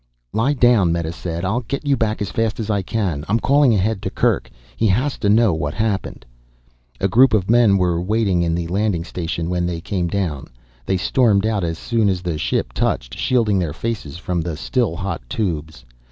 "Lie down," Meta said. "I'll get you back as fast as I can. I'm calling ahead to Kerk, he has to know what happened." A group of men were waiting in the landing station when they came down. They stormed out as soon as the ship touched, shielding their faces from the still hot tubes.